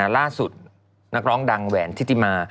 นักร้องดังแหวนทิติมา